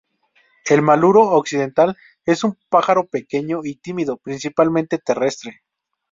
El maluro occidental es un pájaro pequeño y tímido, principalmente terrestre.